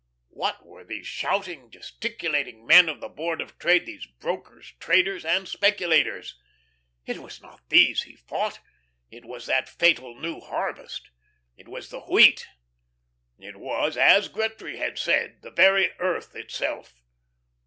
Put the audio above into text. What were these shouting, gesticulating men of the Board of Trade, these brokers, traders, and speculators? It was not these he fought, it was that fatal New Harvest; it was the Wheat; it was as Gretry had said the very Earth itself.